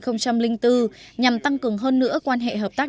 năm hai nghìn bốn nhằm tăng cường hơn nữa quan hệ hợp tác